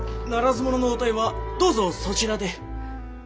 ならず者の応対はどうぞそちらで。